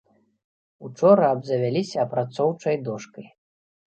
Учора абзавяліся апрацоўчай дошкай.